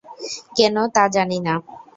কেন তা জানি না।